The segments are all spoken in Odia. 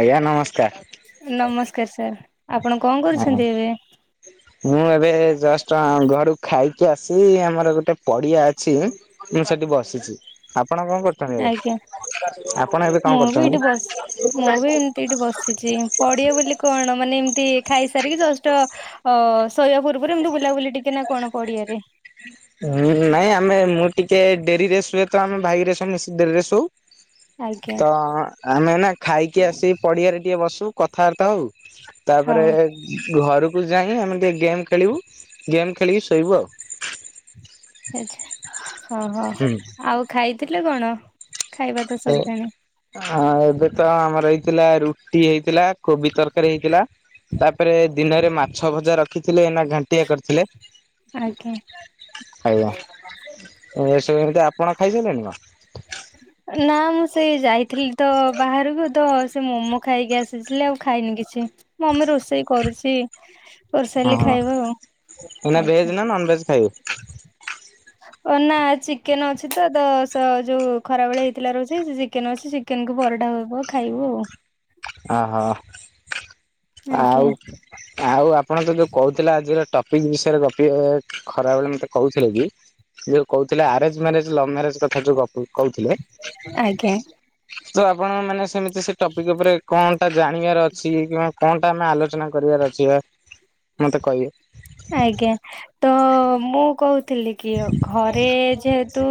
ଆଜ୍ଞା ନମସ୍କାର। ନମସ୍କାର ସାର୍। ଆପଣ କଣ ହଁ କରୁଚନ୍ତି ଏବେ? [inaudible] ମୁଁ ଏବେ ଜଷ୍ଟ ଘରୁକୁ ଖାଇକି ଆସିଲି। ଆମର ଗୋଟେ ପଡିଆ ଅଛି। ମୁଁ ସେଠି ବସିଚି। ଆପଣ କଣ କରୁଚନ୍ତି ଏବେ? ଆଜ୍ଞା ଆପଣ ଏବେ କଣ ମୁଁ ବି କରୁଛନ୍ତି? ଏଇଠି ବ ମୁଁ ବି ଏମିତି ଏଇଠି ବସିଚି ପଡିଆ ବୋଲି କଣ ମାନେ ଏମିତି ଖାଇସାରିକି ଜଷ୍ଟ ଅ ଶୋଇବା ପୂର୍ବରୁ ଏମିତି ବୁଲାବୁଲି ଟିକେ ନା କଣ ପଡିଆରେ? ହୁଁ ନାଇଁ ଆମେ ମୁଁ ଟିକେ ଡେରିରେ ଶୁଏତ ଆମେ ଭାଇ ହରିକା ସମସ୍ତେ ଡରିରେ ଶଉ। ଆଜ୍ଞା ତ ଆମେ ନା ଖାଇକି ଆସିିକ ପଡିଆରେ ଟିକେ ବସୁ କଥାବାର୍ତ୍ତା ହଉ। ହଁ ତାପରେ ଘରକୁ ଯାଇ ଆମେ ଟିକେ ଗେମ୍ ଖେଳିବୁ ଗେମ୍ ଖେଳିକି ଶୋଇବୁ ଆଉ। ଆଚ୍ଛା ହଁ ହଁ ଆଉ ଖାଇଥିଲେ କଣ? ଖାଇବା ତ ହ ସରିଲାଣି ହଁ ଏବେ ତ ଆମର ଏଇଥିଲା ରୁଟି ହେଇଥିଲା କୋବି ତରକାରୀ ହେଇଥିଲା। ତାପରେ ଦିନରେ ମାଛ ଭଜା ରଖିଥିଲେ ନା ଘାଣ୍ଟିଆ କରିଥିଲେ। ଆଜ୍ଞା। ଆଜ୍ଞା ଏସବୁ ଏମିତି ଆପଣ ଖାଇସାରିଲେଣି ନା? ନା ମୁଁ ସେଇ ଯାଇଥିଲି ତ ବାହାରକୁ ତ ସେ ମୋମୋ ଖାଇକି ଆସିଥିଲି ଆଉ ଖାଇନି କିଛି। ମମି ରୋଷେଇ କରୁଚି କରି ହଁ ସାଇଲେ ହଁ। ଖାଇବା ଆଉ ଏଇନା ଭେଜ୍ ଆଜ୍ଞା। ନନ୍ ଭେଜ୍ ଖାଇବ? ଓ ନା ଚିକେନ ଅଛି ତ ସ ଯୋଉ ଖରାବେଳେ ହେଇଥିଲା ରୋଷଇ ସେ ଚିକେନ ଅଛି ଚି କେନ୍ କୁ ପରଟା ହବ ଖାଇବୁ ଆଉ। ଅ ହ। ଆଉ ଆଜ୍ଞା ଆଉ ଆପଣ ତ ଯୋଉ କହୁଥିଲେ ଆଜିର ଟପିକ ବିଷୟରେ ଗପିବ ଖରାବେଳେ ମତେ କହୁଥିଲେ ବି। ଯୋଉ କହୁଥିଲେ ଆରେଞ୍ଜ ମ୍ୟାରେଜ ଲଭ୍ ମ୍ୟାରେଜ କଥା ଗ ଯୋଉ କହୁଥିଲେ। ଆଜ୍ଞା। ତ ଆପଣ ମାନେ ସେମିତି ସେ ଟପିକ ଉପରେ କଣଟା ଜାଣିବାର ଅଛି କିମ୍ବା କଣଟା ଆମେ ଆଲୋଚନା କରିବାର ଅଛି ମତେ କହିବେ। ଆଜ୍ଞା ତ ମୁଁ କହୁଥିଲି କି ଘରେ ଯେହେତୁ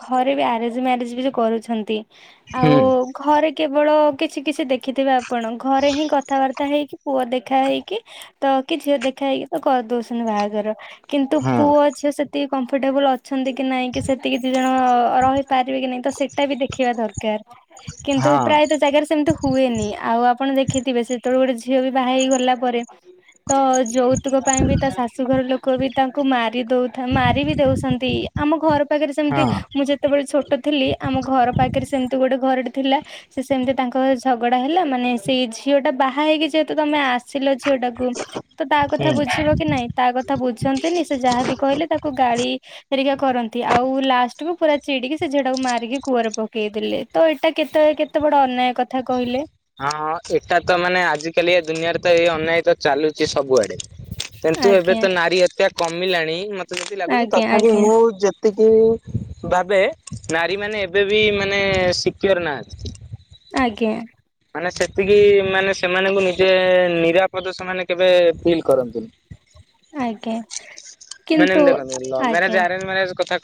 ଘରେ ବି ଆରେଞ୍ଜ ମ୍ୟାରେଜ ବି ଯଉ କରୁଛନ୍ତି ହୁଁ ଆଉ ଘରେ କେବଳ କିଛି କିଛି ଦେଖିଥିବେ ଆପଣ ଘରେ ହିଁ କଥାବାର୍ତ୍ତା ହେଇକି ପୁଅ ଦେଖା ହେଇକି ତ କି ଝିଅ ଦେଖା ହେଇକି ତ କରି ଦଉଚନ୍ତି ବାହାଘର। କିନ୍ତୁ ହଁ ପୁଅ ଝିଅ ସେତିକି କମ୍ଫର୍ଟେବୁଲ୍ ଅଛନ୍ତି କି ନାଇଁ କି ସେ ଏତିକି ଦି ଜଣ ରହିପାରିବେ କି ନାଇଁ ତ ସେଟା ବି ଦେଖିବା ଦରକାର। କିନ୍ତୁ ହଁ। ପ୍ରାୟତ ଜାଗାରେ ସେମତି ହୁଏନି ଆଉ ଆପଣ ଦେଖିଥିବେ ସେତେବେଳେ ଗୋଟେ ଝିଅ ବି ବାହା ହେଇଗଲା ପରେ ତ ଯୌତୁକ ପାଇଁ ବି ତା ଶାଶୁଘର ଲୋକ ବି ତାଙ୍କୁ ମାରି ଦଉଥା ମାରି ବିି ଦଉଚନ୍ତି ଆମ ଘର ପାଖରେ ସେମତି ହଁ ମୁଁ ଯେତେବେଳେ ଛୋଟ ଥିଲି ଆମ ଘର ପାଖରେ ସେମିତି ଗୋଟେ ଘରଟି ଥିଲା ସେ ସେମିତି ତାଙ୍କ ଘରେ ଝଗଡା ହେଲା ମାନେ ସେଇ ଝିଅ ଟା ବାହା ହେଇକି ଯେହେତୁ ତମେ ଆସ ଆସିଲ ଝିଅଟାକୁ ତ ତା କଥା ହୁଁ। ବୁଝିବ କି ନାଇଁ। ତା କଥା ବୁଝନ୍ତିନି ସେ ଯାହାବି କହିଲେ ତାକୁ ଗାଳି ହେରିକା କରନ୍ତି ଆଉ ଲାଷ୍ଟ କୁ ପୁରା ଚିଡିକି ସେ ଝିଅଟାକୁ ମାରିକି କୂଅରେ ପକେଇ ଦେଲେ। ତ ଏଇଟା କେତେ କେତେ ବଡ ଅନ୍ୟାୟ କଥା କହିଲେ? ହଁଁ ଏଟାତ ମାନେ ଆଜିକାଲି ଏ ଦୁନିଆରେ ତ ଏଇ ଅନ୍ୟାୟ ତ ଚାଲୁଚି ସବୁଆଡେ କିନ୍ତୁ ଏବେ ଆଜ୍ଞା ତ ନାରୀ ହତ୍ୟା କମିଲାଣି ମ ଯେମିତି ଲାଗୁଚି ଆଜ୍ଞା ତଥାପି ଆଜ୍ଞା ମୁଁ ଜେ ସେତିକି ଭାବେ ନାରୀମାନେ ଏବେ ବି ମାନେ ସିକ୍ୟୋର ନାହାନ୍ତି। ଆଜ୍ଞା। ମାନେ ସେତିକି ମାନେ ସେମାନଙ୍କୁ ନିଜେ ନିରାପଦ ସେମାନେ କେବେ ଫିଲ୍ କରନ୍ତି। ଆଜ୍ଞା। କିନ୍ତୁ ମାନେମ୍ ଦେଖନ୍ତୁ ଆଜ୍ଞା ମ୍ୟାରେଜ ଆରେଞ୍ଜ ମ୍ୟାରେଜ କଥା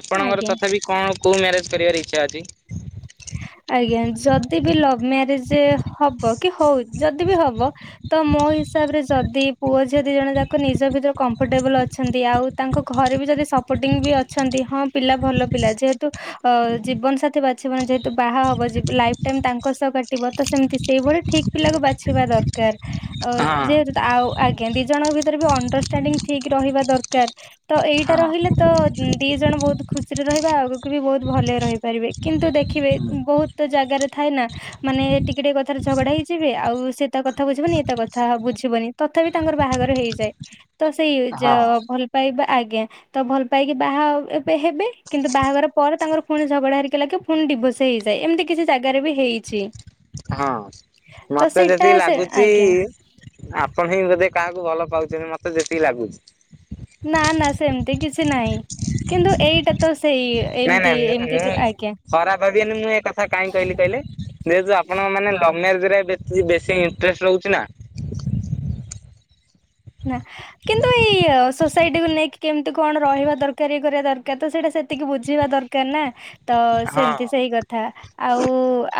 ଆପଣଙ୍କର ଆଜ୍ଞା ତଥାପି କଣ କୋଉ ମ୍ୟାରେଜ କରିବାରେ ଇଚ୍ଛା ଅଛି? ଆଜ୍ଞା ଯଦି ବି ଲଭ ମ୍ୟାରେଜ ହବ କି ହଉ ଯଦି ବି ହବ ତ ମୋ ହିସାବ ରେ ଯଦି ପୁଅ ଝିଅ ଦି ଜଣେ ଯାକ ନିଜ ଭିତରେ କମ୍ଫର୍ଟେବଲ ଅଛନ୍ତି ଆଉ ତାଙ୍କ ଘରେ ବି ଯଦି ସପୋର୍ଟିଂ ବି ଅଛନ୍ତି ହଁ ପିଲା ଭଲ ପିଲା ଯେହେତୁ ଅ ଜୀବନ ସାଥୀ ବା ବାଛିବା ଯେହେତୁ ବାହା ହବ ଯ ଲାଇଫ ଟାଇମ ତାଙ୍କ ସହ କଟିବ ତ ସେମିତି ସେଇଭଳି ଠିକ ପିଲାକୁ ବାଛିବା ଦର କାର। ହଁ ଯେହେତୁ ଆଉ ଆଜ୍ଞା ଦି ଜଣଙ୍କ ଭିତରେ ବି ଅଣ୍ଡରଷ୍ଟାଣ୍ଡିଙ୍ଗ ଠିକ ରହିବା ଦରକାର। ତ ଏଇଟା ହଁ ରହିଲେ ତ ଦି ଜଣ ବହୁତ ଖୁସିରେ ରହିବା ଆଗକୁ ବି ବହୁତ ଭଲରେ ରହିପାରିବେ। କିନ୍ତୁ ଦେଖିବେ ହୁଁ। ବହୁତ ଜାଗାରେ ଥାଏ ନା ମାନେ ଟିକେ ଟିକେ କଥାରେ ଝଗଡା ହେଇଯିବେ ଆଉ ସେ ତା କଥା ବୁଝିବନି ଏ ତା କଥା ବୁଝିବନି। ତଥାପି ତାଙ୍କର ବାହାଘର ହେଇଯାଏ। ତ ସେଇ ହଁ ଯୋଉ ଭଲ ପାଇବା ଆଜ୍ଞା ତ ଭଲ ପାଇକି ବାହା ହେବେ କିନ୍ତୁ ବାହାଘର ପରେ ତାଙ୍କର ପୁଣି ଝଗଡା ହେରିକା ଲାଗେ ପୁଣି ଡିଭୋର୍ସ ହେଇଯାଏ ଏମିତି କିଛି ଜାଗାରେ ବି ହେଇ ହଁ ତ ମତେ ସେଇଟା ଯେତିକି ସେ ଲାଗୁଚି ଆଜ୍ଞା ଆପଣ ହିଁ ଯଦି କାହାକୁ ଭଲ ପାଉଛନ୍ତି ମତେ ଯେତିକି ଲାଗୁଛି। ନା ନା ସେମିତି କିଛି ନାହିଁ କିନ୍ତୁ ଏଇଟା ତ ସେଇ। ନାଇଁ ଏମିତି ନାଇଁ ମୁଁ ଏମିତି ମୁଁ ଯୋଉ ଆଜ୍ଞା ଖରାପ ଭାବିବେନି ମୁଁ ଏ କଥା କାଇଁ କହିଲି କହିଲେ। ଯେହେତୁ ଆପଣଙ୍କ ମାନେ ଲଭ ମ୍ୟାରଗେ ବେଶି ବେଶି ଇଣ୍ଟରେଷ୍ଟ ରହୁଛି ନା। କିନ୍ତୁ ଇଏ ସୋସାଇଟିକୁୁ ନେଇକି କେମିତି କଣ ରହିବା ଦରକାର ଇଏ କରିବା ଦରକାର ତ ସେଇଟା ସେତିକି ବୁଝିବା ଦରକାର ନା। ତ ହଁ ସେମିତି ସେଇ କଥା। ଆଉ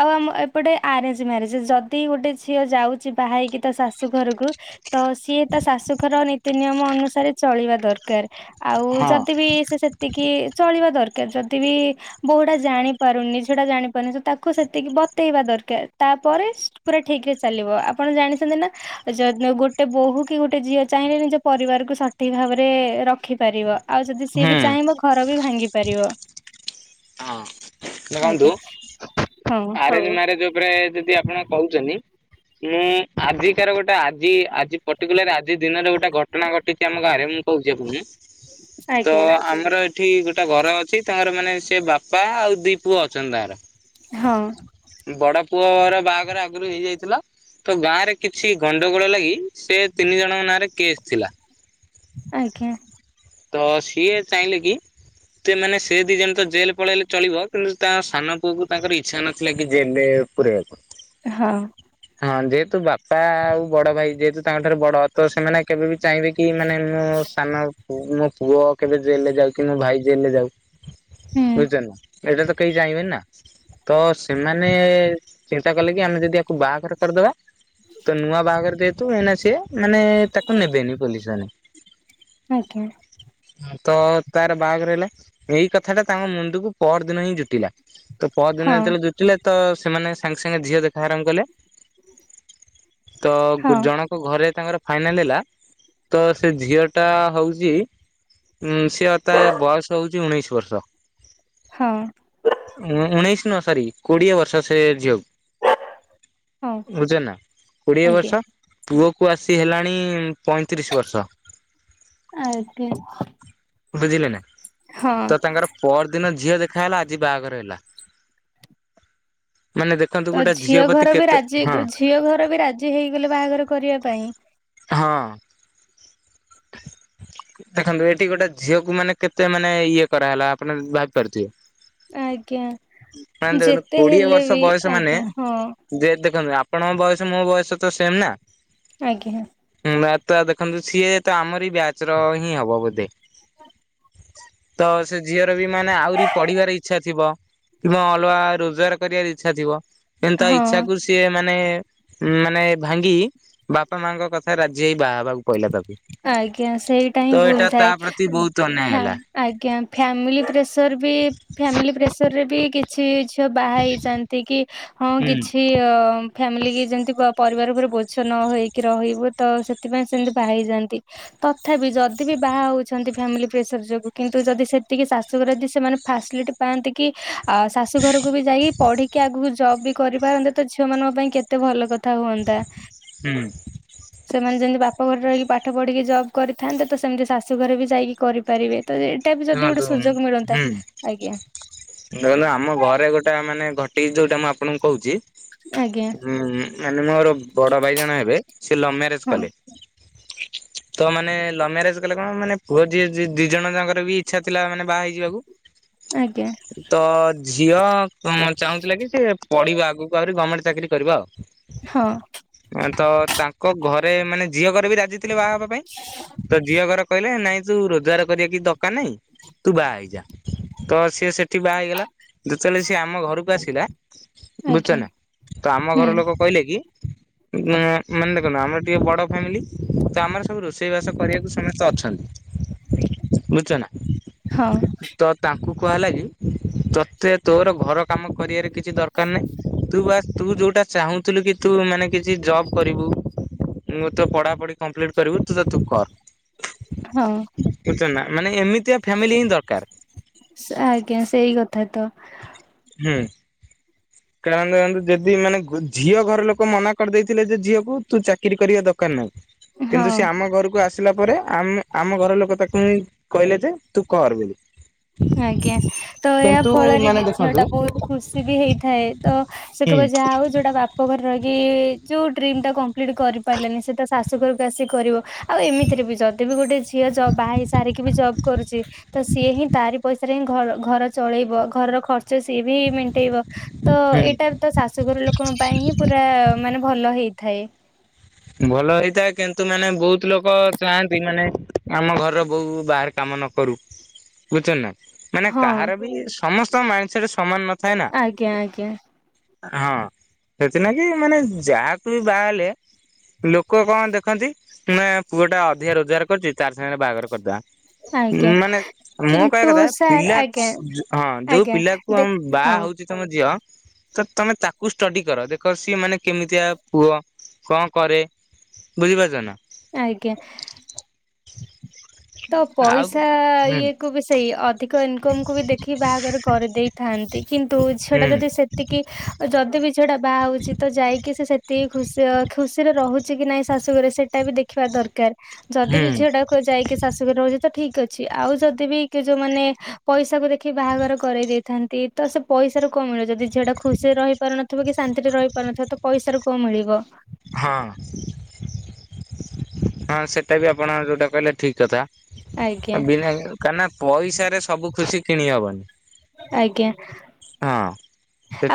ଆଉ ଆମ ଏପଟେ ଆରେଞ୍ଜ ମ୍ୟାରେଜ ଯଦି ଗୋଟେ ଝିଅ ଯାଉଛି ବାହାହେଇକି ତା ଶାଶୁ ଘରକୁ ତ ସିଏ ତ ଶାଶୁଘର ନୀତି ନିିୟମ ଅନୁସାରେ ଚଳିବା ଦରକାର ଆଉ ହଁ ଯଦି ବି ସେ ଏତିକି ଚଳିବା ଦରକାର ଯଦି ବିି ବୋଉଟା ଜାଣି ପାରୁନି ଝିଅଟା ଜାଣି ପାରୁନି ତାକୁ ସେତିକି ବତେଇବା ଦରକାର ତାପରେ ପୁରା ଠିକ ରେ ଚାଲିବ ଆପଣ ଜାଣିଛନ୍ତି ନା ଯଦି ଗୋଟେ ବୋହୂ କି ଗୋଟେ ଝିଅ ଚାହିଁଲେ ନିଜ ପରିବାର କ ସଠିକ ଭାବରେ ରଖି ପାରିବ। ଆଉ ଯଦି ସିଏ ହୁଁ ବି ଚାହିଁବ ଘର ବି ଭାଙ୍ଗି ପାରିବ। ହଁ। ଦେଖନ୍ତୁ ଆଜ୍ଞା ହଁ ହଁ ଆରେଞ୍ଜ ମ୍ୟାରେଜ ଉପରେ ଯଦି ଆପଣ କହୁଛନ୍ତି। ମୁଁ ଆଜିକାର ଗୋଟେ ଆଜି ଆଜି ପର୍ଟିକୁଲାର ଆଜି ଦିନରେ ଗୋଟେ ଘଟଣା ଘଟିଛି ଆମ ଗାଁରେ ମୁଁ କହୁଛି ଆପ ତ ଆଜ୍ଞା ଆମର ଏଠି ଗୋଟେ ଘର ଅଛି ତାଙ୍କର ମାନେ ସେ ବାପା ଆଉ ଦି ପୁଅ ଅଛନ୍ତି ତାର। ହଁ। ବଡ ପୁଅର ବାହାଘର ଆଗରୁ ହେଇଯାଇଥିଲା। ତ ଗାଁ ରେ କିଛି ଗଣ୍ଡଗୋଳ ଲାଗି ସେ ତିନି ଜଣଙ୍କ ନାଁରେ କେସ୍ ଥିଲା। ଆଜ୍ଞା। ତ ସିଏ ଚାହିଁଲେ କି ସେମାନେ ସେ ଦିଜଣ ତ ଜେଲ ପଳେଇଲେ ଚଳିବ। କିନ୍ତୁ ତା ସାନ ପୁଅକୁ ତାଙ୍କର ଇଚ୍ଛା ନଥିଲା କି ଜେଲ ରେ ପୁରଇବାକୁ। ହଁ। ହଁ ଯେହେତୁ ବାପା ଆଉ ବଡ ଭାଇ ଯେହେତୁ ତାଙ୍କଠାରୁ ବଡ ତ ସେମାନେ କେବେ ବି ଚାହିଁବେ କି ମାନେ ମୋ ସାନ ମୋ ପୁଅ କେବେ ଜେଲ ରେ ଯାଉ କି ମୋ ଭାଇ ଜେଲ ରେ ଯାଉ। ବୁଝାରନା [inaudible] କେହି ଜାଇଁବେ ନା ତ ସେମାନେ ଚିନ୍ତା କଲେ କି ଆମେ ଯଦି କୁ ବାହାଘର କରିଦେବା। ତ ନୂଆ ବାହାଘର ଯେହେତୁ ଏନା ସି ମାନେ ତାକୁ ନେବେନି ପୋଲିସ ମାନେ। ଆଜ୍ଞା। ତ ତାର ବାହାଘର ହେଲା ଏଇ କଥା ଟା ତାଙ୍କ ମୁଣ୍ଡକୁ ପର ଦିନ ହିଁ ଜୁଟିଲା। ତ ପହରଦିନ ହଁ ଜୁ ଥିଲେ ତ ସେମାନେ ସାଙ୍ଗେ ସାଙ୍ଗେ ଝିଅ ଦେଖା ଆରମ୍ଭ କଲେ, ତ ହଁ ଜଣ ଘରେ ତାଙ୍କର ଫାଇନାଲ ହେଲା ତ ସେ ଝିଅ ଟା ହଉଛି ଉଁ ସି ତା ବୟସ ହଉଛି ଉଣେଇଶି ବର୍ଷ ହଁ। ଉ ଉଣେଇଶି ନୁଅ ସରି କୋଡିଏ ବର୍ଷ ସେ ହଁ ଝିଅକୁ। ବୁଛ ନା କୋଡିଏ ଆଜ୍ଞା ବର୍ଷ ପୁଅକୁ ଆସି ହେଲାଣି ପଇଁତିରିଶ ବର୍ଷ ଆଜ୍ଞା ବୁଝିଲେ ନା ହଁ ତ ତାଙ୍କର ପର ଦିନ ଝିଅ ଦେଖାହଲା ଆଜି ବାହାଘର ହେଲା ମାନେ ଦେଖନ୍ତୁ ତ ଗୋଟେ ଝିଅ ପ୍ରତି ଘର ବି କେତେ ରାଜି ହଁ ଝିଅ ଘର ବି ରାଜି ହେଇଗଲେ ବାହାଘର କରିବା ପାଇଁ। ହଁ। ଦେଖନ୍ତୁ ଏଠି ଗୋଟେ ଝିଅକୁ ମାନେ କେତେ ମାନେ ଇଏ କରାହେଲା ଆପଣ ଆଜ୍ଞା ଭାବିପାରୁଥିବେ। ମାନେ ଦେଖନ୍ତୁ ଯେତେ କୋଡିଏ ହେଲେ ବର୍ଷ ବି ବୟସ ମାନେ। ଆଜ୍ଞା ହଁ ଦେ ଦେଖନ୍ତୁ ଆପଣଙ୍କ ବୟସ ମୋ ବୟସ ତ ସେମ୍ ନା। ଆଜ୍ଞାଁ। ହୁଁ ଭାତୁୟ ଦେଖନ୍ତୁ ସିଏ ତ ଆମର ବ୍ୟାଚ୍ ର ହିଁ ହବ ବୋଧେ। ତ ସେ ଝିଅର ବି ମାନେ ଆହୁରି ପଢିବାର ଇଚ୍ଛା ଥିବ। ତେଣୁ ଅଲଗା ରୋଜଗାର କରିବାର ଇଚ୍ଛା ଥିବ। କିନ୍ତୁ ତା ହଁ ଇଚ୍ଛା କୁ ସିଏ ମାନେ ମାନେ ଭାଙ୍ଗି ବାପା ମାଙ୍କ କଥା। ରାଜି ହେଇ ବାହା ହେବାକୁ କହିଲା ତାକୁ ଆଜ୍ଞା ସେଇଟା ହିଁ ତ ଭୁଲ ଏଇଟା ତା ଥାଏ। ପ୍ରତି ବହୁତୁ ଅନ୍ୟାୟ ଫ୍ୟା ହେଲା। ଆଜ୍ଞା ଫ୍ୟାମିଲି ପ୍ରେସର ବି ଫ୍ୟାମିଲି ପ୍ରେସରରେ ବି କିଛି କିଛି। ବାହା ହେଇ ଯାନ୍ତି କି ହଁ ହୁଁ କିଛି ଅ ଫ୍ୟାମିଲି କି ଯେମିତି କି। ପରିବାର ଉପରେ ବୋଝ ନ ହେଇକି ରହିବୁ ତ ସେଥିପାଇଁ ସେମିତି ବାହା ହେଇଯାଆନ୍ତି। ତଥାପି ଯଦି ବି ବାହା ହଉଛନ୍ତି। ଫ୍ୟାମିଲି ପ୍ରେସର ଯୋଗୁ କିନ୍ତୁ ଯଦି ସେତିକି ଶାଶୁଘରେ ଯଦି ସେମାନେ ଫାସେଲିଟି ପାଆନ୍ତି କି ଆ ଶାଶୁ ଘରକୁ ବି ଯାଇ ପଢିକି ଆଗକୁ ଜବ୍ ବି କରିବା ପାରନ୍ତେ ଝିଅ ମାନଙ୍କ ପାଇଁ କେତେ କେତେ ଭଲ କଥା ହୁଅନ୍ତା ହୁଁ। ସେମାନେ ଯେମିତି ବାପ ଘରେ ରହିକି ପାଠ ପଢ଼ିକି ଜବ୍ କରିଥାନ୍ତେ। ତ ସେମିତି ଶାଶୁ ଘରେ ବି ଯାଇକି କରିପାରିବେ। ତ ଏଇଟା ବି ଯଦି ଗୋଟେ ଶୁଣନ୍ତୁ ହୁଁ ସୁଯୋଗ ମିଳନ୍ତା ଆଜ୍ଞା। ଦେଖନ୍ତୁ ଆମ ଘରେ ଗୋଟେ ମାନେ ଘଟିଛି ଯୋଉଟା ମୁଁ ଆପଣଙ୍କୁ କହୁଛି। ଆଜ୍ଞା ହୁଁ, ହୁଁ ମାନେ ମୋର ବଡ ଭାଇ ଜଣ ହେବେ ସେ ଲଭ ମ୍ୟାରେଜେ ହଁ କଲେ ତ ମାନେ ଲଭ ମ୍ୟାରେଜେ କଲେ କଣ ମାନେ ପୁଅ ଯିଏ ଦି ଜଣ ଯାଙ୍କର ବି ଇଚ୍ଛା ଥିଲା ମାନେ ବାହା ହେଇଯିବାକୁ। [inaudible] ଆଜ୍ଞା। ତ ଝିଅ ଚାହୁଁଥିଲା କି ସେ ପଢିବ ଆଗକୁ ଆହୁରି ଗମେଣ୍ଟେ ଚାକିରି କରିବା ଆଉ। ହଁ। ଆନ୍ତ ତାଙ୍କ ଘରେ ମାନେ ଝିଅ ଘର ବି ରାଜି ଥିଲେ ବାହା ହେବା ପାଇଁ ତ ଝିଅ ଘର କହିଲେ ନାଇଁ। ତୁ ରୋଜଗାର କରିବା କିଛି ଦକାର ନାହିଁ ତୁ ବାହା ହେଇଯା ତ ସି ସେଠୁ ବାହା ହେଇଗଲା ଯେତେବେଳେ ସିଏ ଆମ ଘରକୁ ଆସିଲା ବୁଝୁଛ ଆଜ୍ଞା ନା ତ ଆମ ହୁଁ ଘର ଲୋକ ତ କହିଲେ କି ମାନେ ଦେଖନ୍ତୁ ଆମର ଟିକେ ବଡ ଫ୍ୟାମିଲି ତ ଆମର ତ ସବୁ ରୋଷେଇ ବାସ କରିବାକୁ ସମସ୍ତେ ଅଛନ୍ତି ବୁଝଛ ନା ହଉ। ତ ତାଙ୍କୁ କୁହା ହେଲା କି ତତେ ତୋର ଘର କାମ କରିବାର କିଛି ଦରକାର ନାହିଁ ତୁ ବାସ ତୁ ଯୋଉଟା ଚାହୁଁଥିଲୁ କି ତୁ ମାନେ କିଛି ଜବ୍ କରିବୁ ମଁ ତ ପଢ଼ାପଢ଼ି କମ୍ପ୍ଲିଲିଟି କରିବୁ ତୁ କର [unintelligible] ହଉ। ବୁଝୁ ଛନ୍ତି ନା ମାନେ ଏମିତିଆ ଫ୍ୟାମିଲି ହିଁ ଦକାର। ସା ଆଜ୍ଞା ସେଇ କଥା ତ। ହେଁ। କାରଣଦେଖନ୍ତୁ ଯେଦି ମାନେ ଝିଅ ଘର ଲୋକ ମନା କରିଦେଇଥିଲେ ଯେ ଝିଅକୁ ତୁ ଚାକିରି କରିବା ଦକାର ନାହିଁ। ହଁ କିନ୍ତୁ ସିଏ ଆମ ଘରକୁ ଆସେ ଆସିଲା ପରେ ଆମେ ଆମ ଘର ଲୋକ ତାକୁ ହି କହିଲେ ଯେ ତୁ କର ବୋଲି। ଆଜ୍ଞା ତ ଏହା କିନ୍ତୁ ଫଳରେ ମାନେ ବି। ଝିଅ ଦେଖନ୍ତୁ ଟା ବହୁତୁ ଖୁସି ବି ହେଇଥାଏ ତ ସେ ହୁଁ କହିବ ଯାହା ହଉ। ଯୋଉଟା ବାପ ଘରେ ରହିକି ଯୋଉ ଡ୍ରିମି ଟା କମ୍ପ୍ଲିଟି କରି ପାରିଲାନି ସେ ତା ଶାଶୁ ଘରକୁ ଆସିିକି କରିବ। ଆଉ ଏମିତିରେ ବି ଯଦି ବି ଗୋଟେ ଝିଅ ଜବ ବାହା ହେଇ ସାରିକି ବି ଜବ୍ କରୁଛି ତ ସିଏ ହିଁ ତାରି ପଇସାରେ ହିଁ ଘ ଘର ଚଳେଇବ ଘରର ଖର୍ଚ୍ଚ ସିଏ ବି ମେଣ୍ଟେଇବ ତ ହୁଁ ଏଇଟା। ତ ଶାଶୁଘର ଲୋକଙ୍କ ପାଇଁ ହିଁ ପୁରା ମାନେ ଭଲ ହେଇଥାଏ। ଭଲ ହେଇଥାଏ କିନ୍ତୁ ମାନେ ବହୁତୁ ଲୋକ ଚାହାନ୍ତି ମାନେ ଆମ ଘରର ବୋହୁଁ ବାହାରେ। କାମ ନ କରୁ। ବୁଝୁଛନ୍ତି ନା ମାନେ ହଁ କାହାର ବି ସମସ୍ତଙ୍କର ମାଇଣ୍ଡ ସେଟ୍ ସମାନ ନଥାଏ। ନା ଆଜ୍ଞା ଆଜ୍ଞା। ହଁ ସେଥିନାଗି କିି ମାନେ ଯାହାକୁ ବି ବାହାହେଲେ ଲୋକ କଣ ଦେଖନ୍ତି ନା ପୁଅ ଟା ଅଧିକା ରୋଜଗାର କରୁଛି ତାର ସାଙ୍ଗରେ ବାହାଘର କରିଦେବା। ଆଜ୍ଞା। ମୋ କହିବା କିନ୍ତୁ କଥା ସାର୍ ପିଲା ଆଜ୍ଞା ହଁ ଯୋଉ ଆଜ୍ଞା ପିଲାକୁ ଦେ ଆମେ ହଁ ବାହା ହଉଛେ ତମ ଝିଅ। ତ ତମେ ତାକୁ ଷ୍ଟଡି କର ଦେଖ ସିଏ ମାନେ କେମିତିଆ ପୁଅ କ କରେ ବୁଝିପାରୁଛ ନାଁ। ଆଜ୍ଞା। ତ ଆଉ ପଇସା ହୁଁ ଇଏ କୁ ବି ସେଇ ଅ ଅଧିକ ଇନକମ୍ କୁ ବି ଦେଖିକି ବାହାଘର କରିଦେଇଥାନ୍ତି କିନ୍ତୁ ଝିଅଟା ହୁଁ ଯଦି ସେତିକି ଯଦି ବି ଝିଅଟା ବାହା ହେଉଛି ତ ଯାଇକି ସେ ସେତିକି ଖୁସି ଖୁସିରେ ରହୁଛି କି ନାଇଁ ଶାଶୁଘରେ ସେଟା ବି ଦେଖିବା ଦରକାର। ଯଦି ହୁଁ ବି ଝିଅଟା କୁ ଯାଇକି ଶାଶୁଘରେ ରହୁଛି ତ ଠିକି ଅଛି। ଆଉ ଯଦି ବି କି ଯଉ ମାନେ ପଇସାକୁ ଦେଖିକି ବାହାଘର କରେଇ ଦେଇ ଥାନ୍ତି ତ ସେ ପଇସାରୁ କଣ ମିଳିବ ଯଦି ଝିଅଟା ଖୁସିରେ ରହିପାରୁନଥିବ କି ଶାନ୍ତିରେ ରହିପାରୁନଥିବ ତ ପଇସାରୁ କଣ ମିଳିବ। ହଁ। ହଁ ସେଟା ବି ଆପଣ ଯଉଁଟା କହିଲେ ଠିକ୍ କଥା। ଆଜ୍ଞା ବିନା କାନା ପଇସାରେ ସବୁ ଖୁସି କିଣି ହବନି। ଆଜ୍ଞା। ହଁ।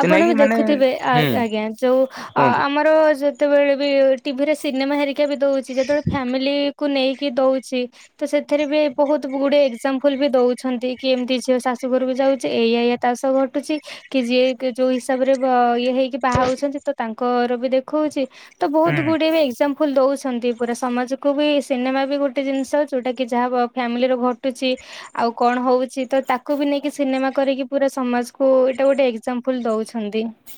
ଆପଣ ବି ମାନେ ଦେଖୁଥିବେ ଆ ହୁଁ ଆଜ୍ଞା ଯୋଉ ଅ କୁହନ୍ତୁ ଆମର ଯ ଯେତେବେଳେ ବି ଟିଭିରେ ସିନେମା ହେରିକା ବି ଦେଉଛି ଯେତେବେଳେ ଫ୍ୟାମିଲିକୁ ନେଇକି ଦଉଛି ତ ସେଥିରେ ବି ବହୁତୁ ଗୁଡେ ଏକ୍ସାଜାମ୍ ବି ଦଉଛନ୍ତି କି ଏମିତି ଝିଅ ଶାଶୁଘରକୁ ଯାଉଛି ଏଇଆ ଏଇଆ ତା ସହ ଘଟୁ ଘଟୁଛି। କି ଯିଏ ଯୋଉ ହିସାବ ଘ ରେ ଇଏ ବାହାହଉଛନ୍ତି ତ ତାଙ୍କର ବି ଦେଖଉଛି। ତ ବହୁତୁ ହୁଁ ଗୁଡିଏ ଏକ୍ସାମ୍ପୁଲୁ ଦଉଛନ୍ତି ପୁରା ସମାଜକୁ ବି ସିନେମା ବି ଗୋଟେ ଜିନିଷ ଯେଉଁଟାକି ଯାହା ଫ୍ୟାମିଲିର ଘଟୁଛି ଆଉ କଣ ହଉଛି ତ ତାକୁ ବି ନେଇକି ସିନେମା କରିକି ପୁରା ସମାଜକୁ ଏଇଟା ଗୋଟେ ଏକ୍ଜାମପୁଲୁ ଦଉଛି।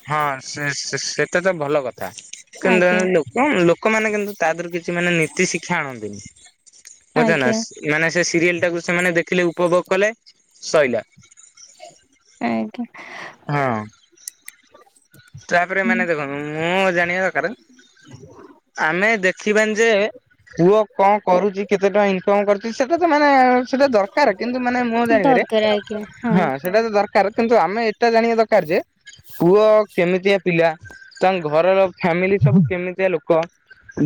ହଁ ସେ ସେଟା ତ ଭଲ କଥା। କିନ୍ତୁ ଦେଲା ଆଜ୍ଞା ବେଳକୁ ଲୋକମ୍ ଲୋକ ଲୋକମାନୋ କିନ୍ତୁ ତା ଦେହରୁ କିଛି ମାନେ ନୀତି ଶିକ୍ଷା ଆଣନ୍ତିନି। ଆଜ୍ଞା। ବୁଝେନାସ ମାନେ ସେ ସିରିଏଲ ଟାକୁ ସେମାନେ ଦେଖିଲେ ଉପଭୋଗ କଲେ ସଇଲା। ଆଜ୍ଞା। ହଁ। [unintelligible] ତାପରେ ମାନେ ହୁଁ। ଦେଖନ୍ତୁ ମୁଁ ଜାଣିବା ଦରକାର ଆମେ ଦେଖିବାନି ଯେ ପୁଅ କଣ କରୁଚି କେତେ ଟଙ୍କା ଇନକମ୍ କରୁଚି ସେଟା ତ ମାନେ ସେଟା ଦରକାର କିନ୍ତୁ ମାନେ ମୁଁ ଜାଣିବାରେ, ଦରକାର ଆଜ୍ଞା ହଁ ସେଟା ତ ଦର କାର କିନ୍ତୁ ଆମେ ଏଟା ଜାଣିବା ଦରକାର ଯେ ପୁଅ କେମିତିଆ ପିଲା ତାଙ୍କ ଘରର ଫ୍ୟାମିଲି ସବୁ କେମିତିଆ ଲୋ କ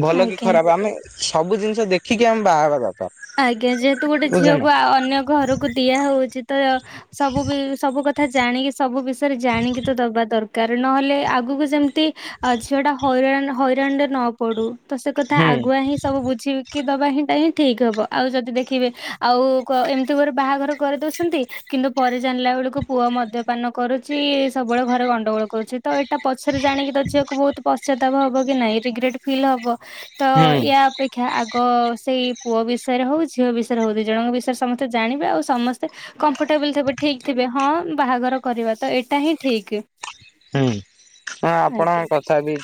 ଭଲ କି ଆଜ୍ଞା। ଖରାପ, ଆମେ ସବୁ ଜିନିଷ ଦେଖିକି ଆମେ ବାହାହବା ଦରକାର ଆଜ୍ଞା। ଯେହେତୁ ଗୋଟେ ବୁଝ ନା। ଝିଅକୁ ଅନ୍ୟ ଘରକୁ ଦିଆହଉଚି ତ ସବୁ ବି ସବୁ କଥା ଜାଣିକି ସବୁ ବିଷୟରେ ଜାଣିକି ତ ଦବା ଦରକାର। ନହେଲେ ଆଗକୁ ଯେମତି ଆ ଝିଅଟା ହଇରାଣ ହଇରାଣରେ ନ ପଡୁ, ତ ସେ କଥା ହୁଁ ଆଗୁଆ ହିଁ ସବୁ ବୁଝିକି ଦବା ହିଁଟା ହିଁ ଠିକ୍ ହବ। ଆଉ ଯଦି ଦେଖିବେ ଆଉ ଏମତି ଗୁରେ ବାହାଘର କରିଦଉଛନ୍ତି କିନ୍ତୁ ପରେ ଜାଣିଲା ବେଳକୁ ପୁଅ ମଦ୍ୟପାନ କରୁଚି ସବୁବେଳେ ଘରେ ଗଣ୍ଡଗୋଳ କରୁଚି। ତ ଏ ତା ପଛରେ ଜାଣିକି ତ ଝିଅକୁ ବହୁତ ପଶ୍ଚାତାପ ହବ କି ନାଇଁ, ରିଗ୍ରେଟ୍ ଫିଲ୍ ହବ। ତ ହୁଁ ୟା ଅପେକ୍ଷା ଆଗ ସେଇ ପୁଅ ବିଷ ବିଷୟରେ ହଉ ଝିଅ ବିଷୟରେ ହଉ ଦୁଇ ଜଣଙ୍କ ବିଷୟରେ ସମସ୍ତେ ଜାଣିବେ ଆଉ ସମସ୍ତେ କମ୍ଫଟେବୁଲ୍ ଥିବେ ଠିକ୍ ଥିବେ ହଁ ବାହାଘର କରିବା ତ ଏଟା ହିଁ ଠିକ୍। ହୁଁ। ନା ଆଜ୍ଞା। ଆପଣଙ୍କ କଥା ବିି